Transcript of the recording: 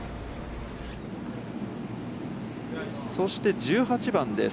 そして１８番です。